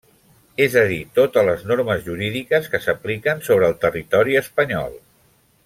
És a dir, totes les normes jurídiques que s'apliquen sobre el territori espanyol.